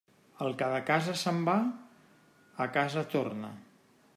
El que de casa se'n va, a casa torna.